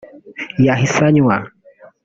yahise anywa